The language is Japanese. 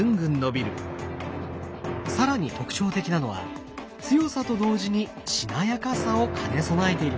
更に特徴的なのは強さと同時にしなやかさを兼ね備えていること。